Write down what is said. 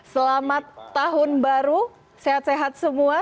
selamat tahun baru sehat sehat semua